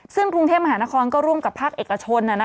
ซึ่งกรุงเทพมหานครก็ร่วมกับภาคเอกชน